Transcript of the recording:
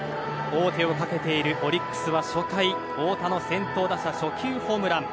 王手をかけているオリックスは初回太田の先頭打者初球ホームラン。